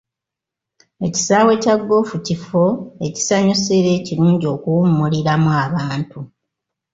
Ekisaawe kya ggoofu kifo ekisanyusa era ekirungi okuwummuliramu abantu.